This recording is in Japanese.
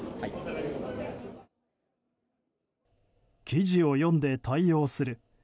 記事を読んで対応する。